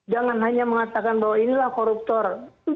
jangan hanya mengatakan bahwa inilah koruptor